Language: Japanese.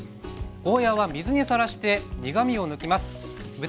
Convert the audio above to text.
ゴーヤーは水にさらして苦みを抜きます。